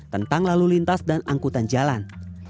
tentang lalu lintas dan angkutan jalan